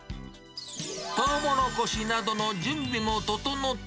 トウモロコシなどの準備も整かんぱーい。